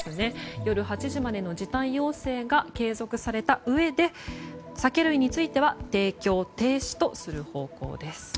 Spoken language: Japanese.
夜８時までの時短要請が継続されたうえで酒類については提供停止にする方向です。